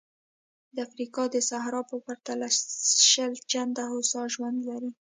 د افریقا د صحرا په پرتله شل چنده هوسا ژوند لري.